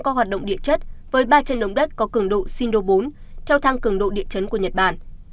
các hoạt động địa chất với ba trận động đất có cường độ sinh đô bốn theo thang cường độ địa chấn của nhật bản